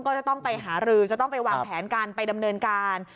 ก็จะต้องไปหารือจะต้องไปวางแผนกันไปดำเนินการ